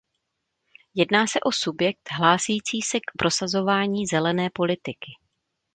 Jedná o subjekt hlásící se k prosazování zelené politiky.